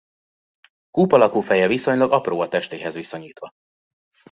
Kúp alakú feje viszonylag apró a testéhez viszonyítva.